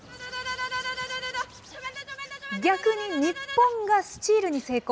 逆に日本がスチールに成功。